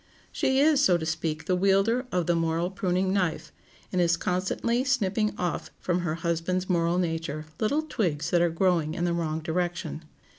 She is, so to speak, the wielder of the moral pruning knife, and is constantly snipping off from her husband's moral nature little twigs that are growing in the wrong direction.